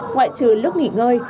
ngoại trừ lúc nghỉ ngơi